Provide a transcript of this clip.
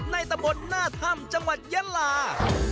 ตะบนหน้าถ้ำจังหวัดยะลา